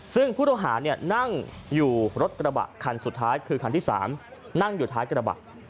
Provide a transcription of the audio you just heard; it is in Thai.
ซึ่งผู้ต้องหานั่งอยู่รถกระบะคันสุดท้ายคือคันที่๓นั่งอยู่ท้ายกระบะ